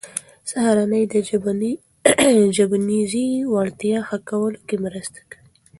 سهارنۍ د ژبنیزې وړتیا ښه کولو کې مرسته کوي.